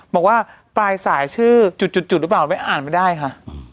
บอกว่าลายสายชื่อจุดจุดจุดรึเปล่าไม่อ่านมาได้ค่ะอ้อ